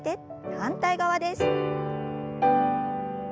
反対側です。